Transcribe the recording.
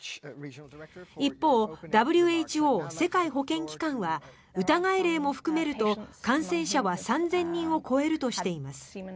一方、ＷＨＯ・世界保健機関は疑い例も含めると感染者は３０００人を超えるとしています。